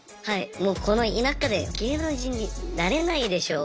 もうこの田舎で芸能人になれないでしょみたいな感じで。